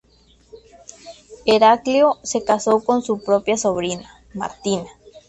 Heraclio se casó con su propia sobrina, Martina.